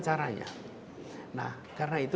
caranya nah karena itu